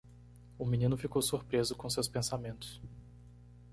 O menino ficou surpreso com seus pensamentos.